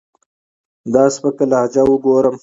دا سپکه لهجه اوګورم